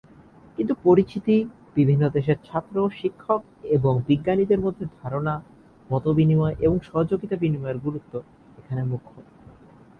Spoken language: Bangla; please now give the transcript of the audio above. কিন্তু পরিচিতি, বিভিন্ন দেশের ছাত্র, শিক্ষক এবং বিজ্ঞানীদের মধ্যে ধারণা, মতবিনিময় এবং সহযোগিতা বিনিময়ের গুরুত্ব এখানে মুখ্য।